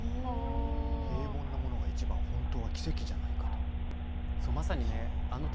平凡なものが一番本当は奇跡じゃないかと。